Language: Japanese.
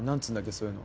そういうの。